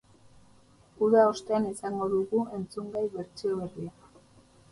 Uda ostean izango dugu entzungai bertsio berria.